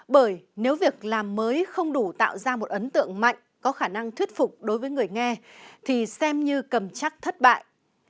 bởi nếu việc làm mới không đủ tạo ra một ấn tượng mạnh có khả năng thuyết phục đối với người nghe thì xem như cầm chắc thất bại